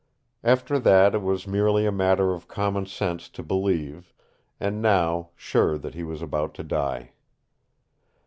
After that it was merely a matter of common sense to believe, and now, sure that he was about to die.